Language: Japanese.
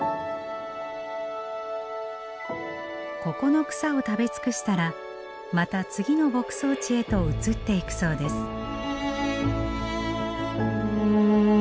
ここの草を食べ尽くしたらまた次の牧草地へと移っていくそうです。